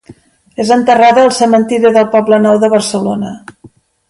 És enterrada al Cementiri del Poblenou de Barcelona.